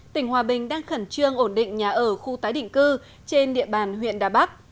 tỉnh hòa bình đang khẩn trương ổn định nhà ở khu tái định cư trên địa bàn huyện đà bắc